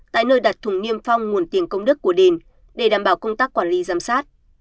tại nơi đặt thùng niêm phong nguồn tiền công đức của điền để đảm bảo công tác quản lý giám sát